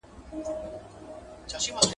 فکر مه کوه، چي دا وړۍ دي شړۍ سي.